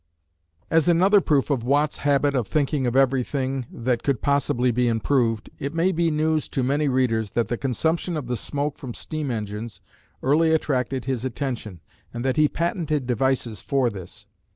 As another proof of Watt's habit of thinking of everything that could possibly be improved, it may be news to many readers that the consumption of the smoke from steam engines early attracted his attention, and that he patented devices for this.